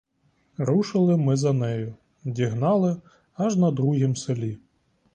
Рушили ми за нею, дігнали аж на другім селі.